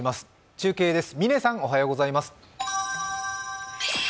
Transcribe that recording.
中継です、嶺さんおはようございます。